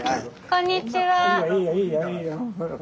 こんにちは。